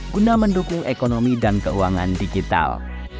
guna mendukung ekonomi dan keuangan digital